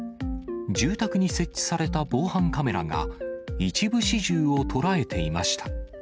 住宅に設置された防犯カメラが、一部始終を捉えていました。